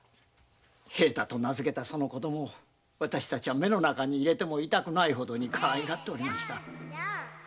「平太」と名付けたその子供を私たちは目の中に入れても痛くないほどにかわいがっておりました。